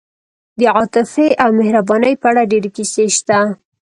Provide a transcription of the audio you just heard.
د عاطفې او مهربانۍ په اړه ډېرې کیسې شته.